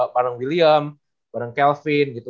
bareng william barang kelvin gitu